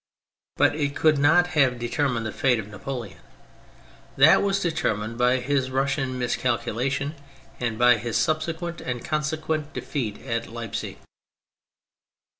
But it could not have determined the fate of Napoleon. That was determined by his Russian miscalculation and by his subsequent and consequent defeat at Leipsic.